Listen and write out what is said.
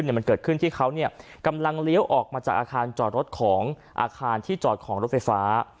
มันเกิดขึ้นที่เขากำลังเลี้ยวออกมาจากอาคารจอดรถของอาคารที่จอดของรถไฟฟ้า